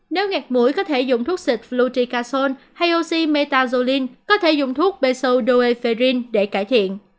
nếu ngạt mũi có thể dùng thuốc xịt fluticasol hay oxymetazoline có thể dùng thuốc pesodoepherin để cải thiện